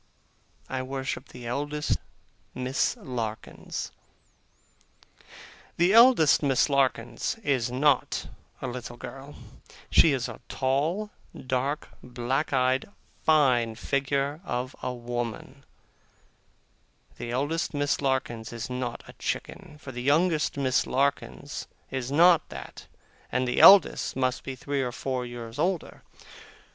I worship the eldest Miss Larkins. The eldest Miss Larkins is not a little girl. She is a tall, dark, black eyed, fine figure of a woman. The eldest Miss Larkins is not a chicken; for the youngest Miss Larkins is not that, and the eldest must be three or four years older.